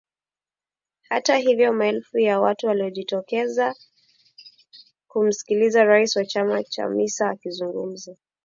Hata hivyo maelfu ya watu waliojitokeza kumsikiliza rais wa chama Chamisa akizungumza